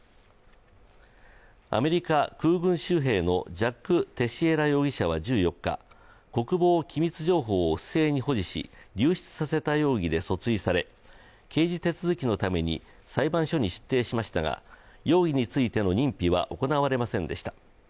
アメリカ空軍州兵のジャック・テシエラ容疑者は１４日国防機密情報を不正に保持し、流出させた容疑で訴追され刑事手続きのために裁判所に出廷しましたが容疑についての認否は行われませんでした。